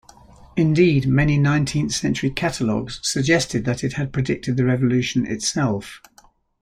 Indeed, many nineteenth-century catalogues suggested that it had predicted the Revolution itself.